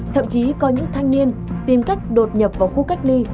thậm chí có những thanh niên tìm cách đột nhập vào khu cách ly